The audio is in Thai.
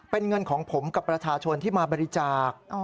เป็นเงินของผมกับประชาชนที่มาบริจาค